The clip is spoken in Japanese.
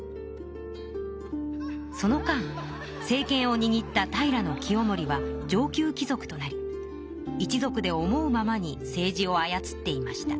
その間政けんをにぎった平清盛は上級き族となり一族で思うままに政治をあやつっていました。